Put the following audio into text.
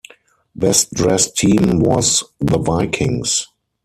Best dressed team was "The Vikings"!